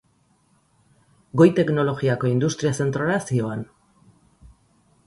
Goi-teknologiako industria zentrora zihoan.